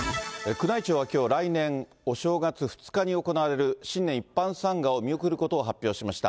宮内庁はきょう、来年、お正月２日に行われる新年一般参賀を見送ることを発表しました。